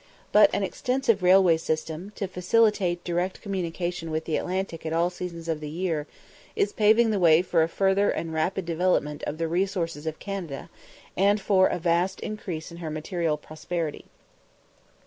But an extensive railway system, to facilitate direct communication with the Atlantic at all seasons of the year, is paving the way for a further and rapid development of the resources of Canada, and for a vast increase in her material prosperity.